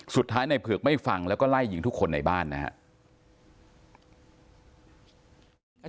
สุดท้ายในเผือกไม่ฟังแล้วก็ไล่ยิงทุกคนในบ้านนะครับ